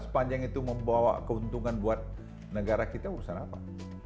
sepanjang itu membawa keuntungan buat negara kita urusan apa